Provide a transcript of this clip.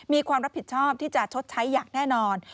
มีความรับผิดชอบที่จะชดใช้อย่างแน่นอน